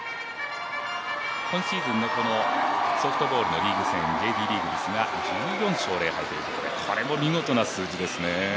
今シーズンのこのソフトボールのリーグ戦１４勝０敗ということでこれも見事な数字ですね。